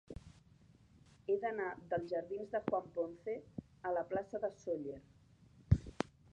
He d'anar dels jardins de Juan Ponce a la plaça de Sóller.